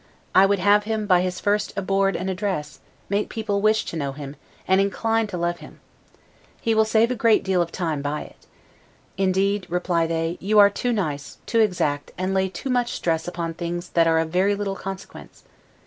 I would have him, by his first abord and address, make people wish to know him, and inclined to love him: he will save a great deal of time by it. Indeed, reply they, you are too nice, too exact, and lay too much stress upon things that are of very little consequence.